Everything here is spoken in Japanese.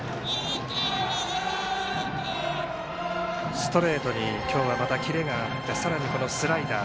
ストレートに今日はまたキレがあってさらに、このスライダー。